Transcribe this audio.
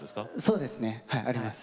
そうですね。あります。